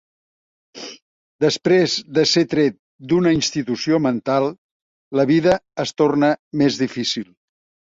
Després de ser tret d'una institució mental, la vida es torna més difícil.